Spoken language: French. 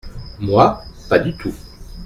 Moi, pas du tout.